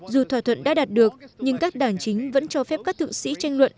dù thỏa thuận đã đạt được nhưng các đảng chính vẫn cho phép các thượng sĩ tranh luận